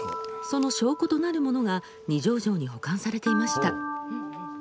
その証拠となるものが二条城に保管されていました。